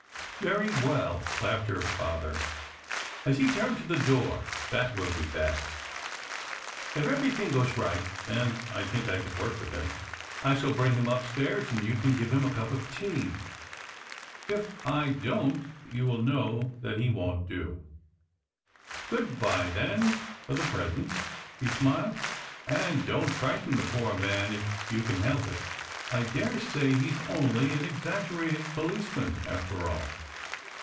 "Very well," laughed her father, as he turned to the door, "that will be best. If everything goes right and I think I can work with him, I shall bring him upstairs and you can give him a cup of tea. If I don't, you will know that he won't do." "Good bye, then, for the present," she smiled, "and don't frighten the poor man, if you can help it. I dare say he's only an exaggerated policeman, after all."